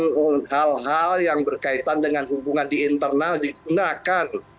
kemudian hal hal yang berkaitan dengan hubungan di internal digunakan